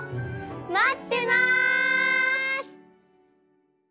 まってます！